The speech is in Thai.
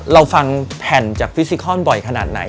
เราฟังแผ่นจากฟิซิคอนบ่อยขนาดไหน